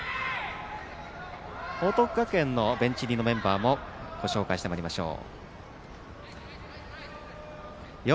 報徳学園のベンチ入りメンバーもご紹介してまいりましょう。